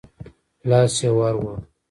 لاس يې ورووړ.